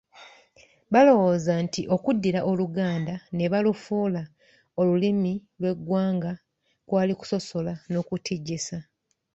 Balowooza nti okuddira Oluganda ne balufuula Olulimi lw'eggwanga kwali kusosola n'okutijjisa.